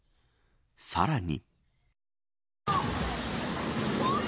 さらに。